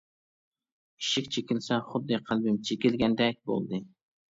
ئىشىك چېكىلسە خۇددى قەلبىم چېكىلگەندەك بولدى.